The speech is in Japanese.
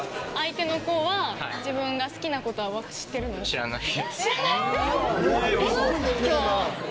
知らない？